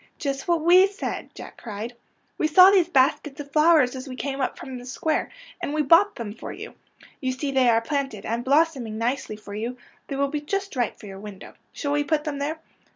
'' Just what we said," Jack cried. ^' We saw these baskets of flowers as we came up from the square, and we bought them for you. You see they are planted and blossoming nicely for you. They will be just right for your window. Shall we put them there?